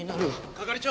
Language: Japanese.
係長！